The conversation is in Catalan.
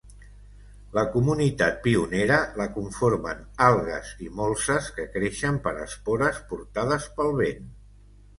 La comunitat pionera la conformen algues i molses que creixen per espores portades pel vent.